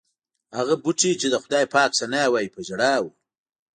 هغه بوټي چې د خدای پاک ثنا وایي په ژړا و.